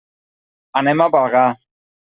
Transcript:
Anem a Bagà.